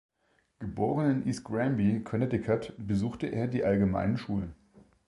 Geboren in East Granby, Connecticut, besuchte er die allgemeinen Schulen.